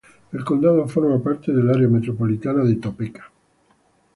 El condado forma parte de área metropolitana de Topeka.